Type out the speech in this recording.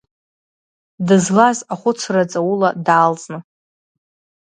Дызлаз ахәыцра ҵаула даалҵны.